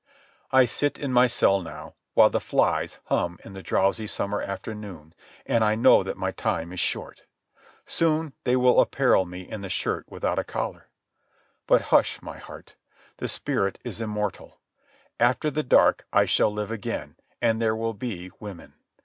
I sit in my cell now, while the flies hum in the drowsy summer afternoon, and I know that my time is short. Soon they will apparel me in the shirt without a collar. ... But hush, my heart. The spirit is immortal. After the dark I shall live again, and there will be women.